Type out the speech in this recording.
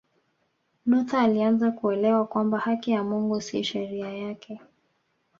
Luther alianza kuelewa kwamba haki ya Mungu si sheria yake